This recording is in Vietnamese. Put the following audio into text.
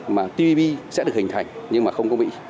mà tpp sẽ được hình thành nhưng mà không có mỹ